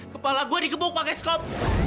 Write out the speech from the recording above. kepala gue dikebuk pake skop